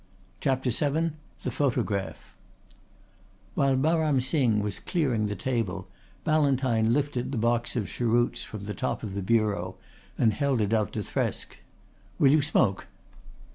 CHAPTER VII THE PHOTOGRAPH While Baram Singh was clearing the table Ballantyne lifted the box of cheroots from the top of the bureau and held it out to Thresk. "Will you smoke?"